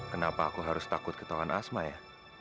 kenapa aku harus takut ketohan asma ya